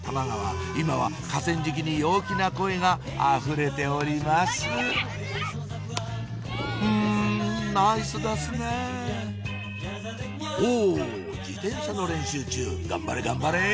今は河川敷に陽気な声が溢れておりますんナイスですねぇお自転車の練習中頑張れ頑張れ！